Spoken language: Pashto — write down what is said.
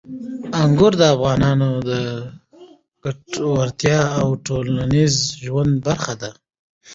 انګور د افغانانو د ګټورتیا او ټولنیز ژوند برخه ده.